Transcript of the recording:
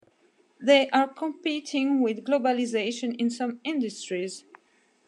They are competing with globalization in some industries.